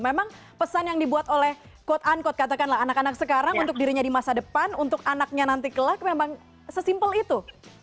memang pesan yang dibuat oleh quote unquote katakanlah anak anak sekarang untuk dirinya di masa depan untuk anaknya nanti kelak memang sesimpel itu